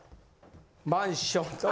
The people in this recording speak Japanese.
マンション。